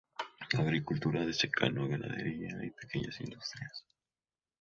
Agricultura de secano, ganadería y pequeñas industrias.